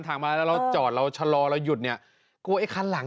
ผมก็กลัวจริงดิครับ